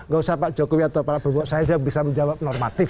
gak usah pak jokowi atau prabowo saja bisa menjawab normatif